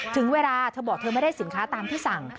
ถึงเวลาเธอบอกเธอไม่ได้สินค้าตามที่สั่ง